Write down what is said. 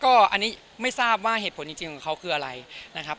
ก็อันนี้ไม่ทราบว่าเหตุผลจริงของเขาคืออะไรนะครับ